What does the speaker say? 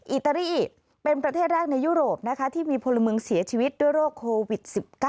อิตาลีเป็นประเทศแรกในยุโรปนะคะที่มีพลเมืองเสียชีวิตด้วยโรคโควิด๑๙